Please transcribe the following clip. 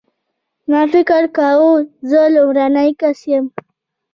ما فکر کاوه زه لومړنی کس یم.